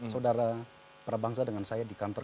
saudara prabangsa dengan saya di kantor